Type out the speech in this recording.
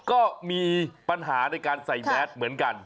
ก็มีปัญหาในการใส่แมสเหมือนกัน